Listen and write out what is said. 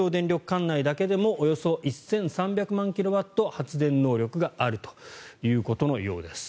管内だけでもおよそ１３００万キロワットの発電能力があるということのようです。